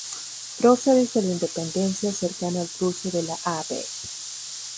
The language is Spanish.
Próceres de la Independencia cercano al cruce de la Av.